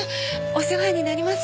お世話になります。